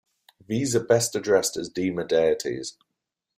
These are best addressed as Dema Deities.